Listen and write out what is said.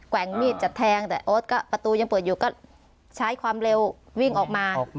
ว่งมีดจะแทงแต่โอ๊ตก็ประตูยังเปิดอยู่ก็ใช้ความเร็ววิ่งออกมา